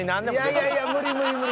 いやいやいや無理無理無理